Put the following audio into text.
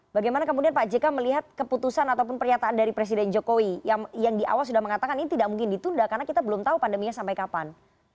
bagaimana kemudian pak jk melihat keputusan ataupun pernyataan dari presiden jokowi yang di awal sudah mengatakan ini tidak mungkin ditunda karena kita belum tahu pandeminya sampai kapan